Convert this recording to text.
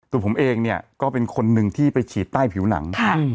ตัวผมเองเนี่ยก็เป็นคนหนึ่งที่ไปฉีดใต้ผิวหนัง